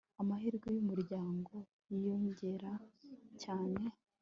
Amahirwe yumuryango yiyongereye cyane